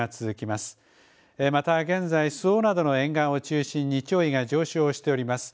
また現在周防灘の沿岸を中心に潮位が上昇しております。